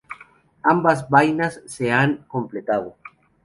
Ambas vainas se han completado.